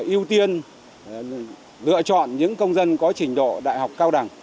ưu tiên lựa chọn những công dân có trình độ đại học cao đẳng